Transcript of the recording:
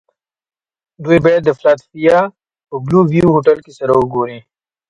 دوی باید د فلادلفیا په بلوویو هوټل کې سره و ګوري